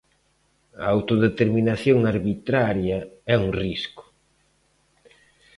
A autodeterminación arbitraria é un risco.